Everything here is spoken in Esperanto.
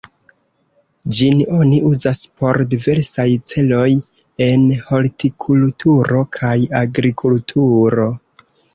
Ĝin oni uzas por diversaj celoj en hortikulturo kaj agrikulturo.